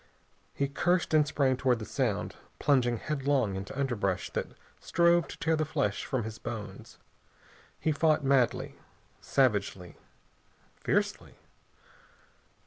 He cursed, and sprang toward the sound, plunging headlong into underbrush that strove to tear the flesh from his bones. He fought madly, savagely, fiercely.